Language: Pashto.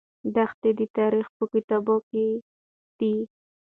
دښتې د تاریخ په کتابونو کې دي.